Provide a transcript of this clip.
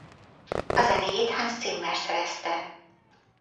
A zenéjét Hans Zimmer szerezte.